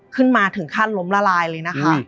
ถึงขั้นล้มละลายเลยนะคะ